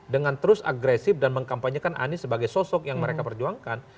dengan terus agresif dan mengkampanyekan anies sebagai sosok yang mereka perjuangkan